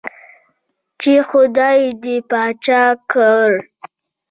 چې خدائے دې باچا کړه ـ